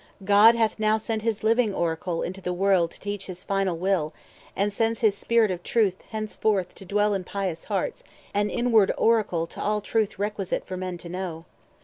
God hath now sent his living Oracle 460 Into the world to teach his final will, And sends his Spirit of Truth henceforth to dwell In pious hearts, an inward oracle To all truth requisite for men to know."